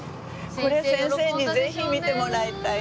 これ先生にぜひ見てもらいたいと思って。